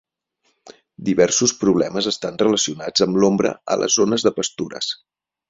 Diversos problemes estan relacionats amb l'ombra a les zones de pastures.